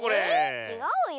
えちがうよ。